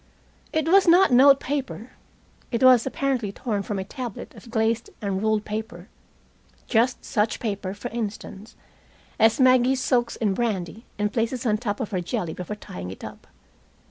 It was not note paper. It was apparently torn from a tablet of glazed and ruled paper just such paper, for instance, as Maggie soaks in brandy and places on top of her jelly before tying it up.